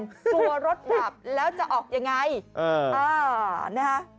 กัดรถดับแล้วจะออกอย่างไร